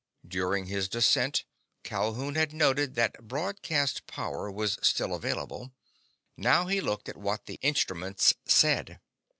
During his descent Calhoun had noted that broadcast power was still available. Now he looked at what the instruments said.